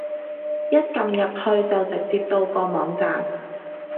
一撳入去就直接到個網站